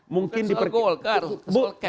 bukan soal golkar soal capital